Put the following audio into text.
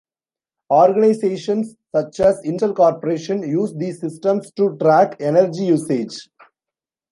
Organisations such as Intel corporation use these systems to track energy usage.